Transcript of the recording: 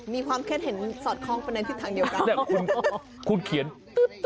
มีความเข้นเห็นสอดคล้องไปในทิศทางเดียวกันแต่คุณเขียนตุ๊ดตุ๊ด